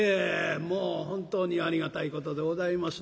もう本当にありがたいことでございます。